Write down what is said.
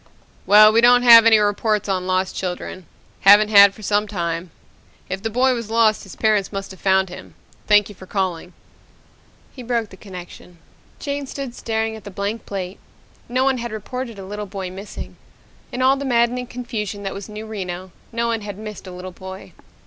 "Well, we don't have any reports on lost children. Haven't had for some time. If the boy was lost his parents must have found him. Thank you for calling." He broke the connection. Jane stood staring at the blank plate. No one had reported a little boy missing. In all the maddening confusion that was New Reno, no one had missed a little boy.